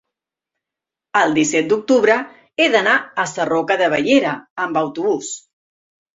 el disset d'octubre he d'anar a Sarroca de Bellera amb autobús.